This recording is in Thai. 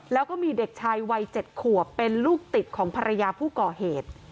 แล้วก็มีเด็กชายวัย๗ขวบเป็นลูกติดของภรรยาผู้ก่อเหตุ